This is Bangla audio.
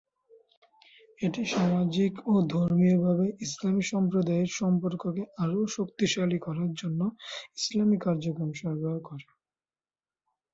এটি সামাজিক ও ধর্মীয়ভাবে ইসলামি সম্প্রদায়ের সম্পর্ককে আরও শক্তিশালী করার জন্য ইসলামি কার্যক্রম সরবরাহ করে।